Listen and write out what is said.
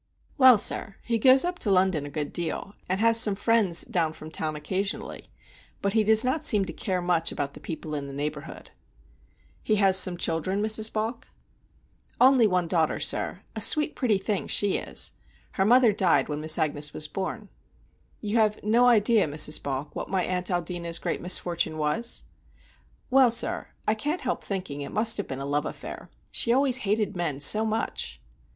"Well, sir, he goes up to London a good deal, and has some friends down from town occasionally; but he does not seem to care much about the people in the neighborhood." "He has some children, Mrs. Balk?" "Only one daughter, sir; a sweet pretty thing she is. Her mother died when Miss Agnes was born." "You have no idea, Mrs. Balk, what my aunt Aldina's great misfortune was?" "Well, sir, I can't help thinking it must have been a love affair. She always hated men so much."